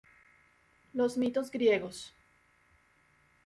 Los Mitos Griegos.